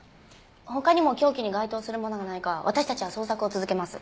他にも凶器に該当するものがないか私たちは捜索を続けます。